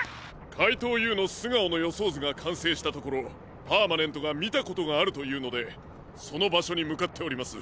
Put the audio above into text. かいとうＵのすがおのよそうずがかんせいしたところパーマネントがみたことがあるというのでそのばしょにむかっております。